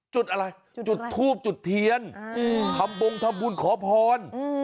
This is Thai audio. จุดอะไรจุดทูบจุดเทียนทำบงทำบุญขอพร